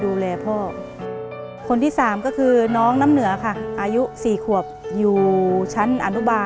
เปลี่ยนเพลงเพลงเก่งของคุณและข้ามผิดได้๑คำ